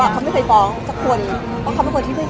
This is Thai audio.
เค้าไม่เคยฟ้องด้วยอีกคน